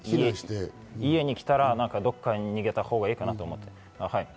家に来たら、どこかに逃げたほうがいいかなと思って。